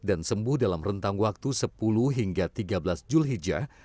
dan sembuh dalam rentang waktu sepuluh hingga tiga belas jul hijah